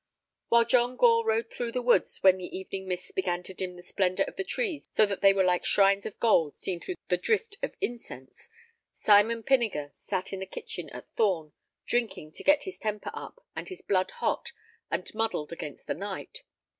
While John Gore rode through the woods when the evening mists began to dim the splendor of the trees so that they were like shrines of gold seen through the drift of incense, Simon Pinniger sat in the kitchen at Thorn drinking to get his temper up and his blood hot and muddled against the night.